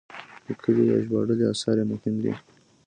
لیکلي یا ژباړلي اثار یې مهم دي.